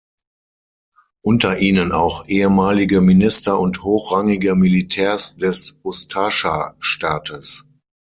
Unter ihnen auch ehemalige Minister und hochrangige Militärs des Ustascha-Staates.